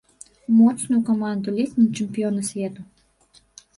Моцную каманду, ледзь не чэмпіёна свету.